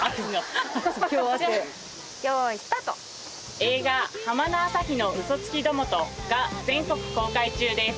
映画『浜の朝日の嘘つきどもと』が全国公開中です。